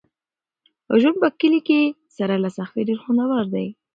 ژوند په کلي کې سره له سختۍ ډېر خوندور دی.